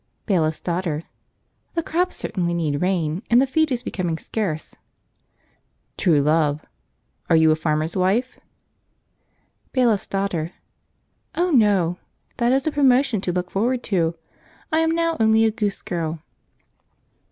Bailiff's Daughter. "The crops certainly need rain, and the feed is becoming scarce." True Love. "Are you a farmer's wife?" Bailiff's Daughter. "Oh no! that is a promotion to look forward to; I am now only a Goose Girl."